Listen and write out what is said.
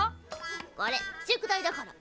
これ宿題だから。